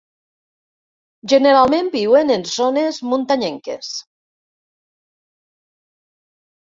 Generalment viuen en zones muntanyenques.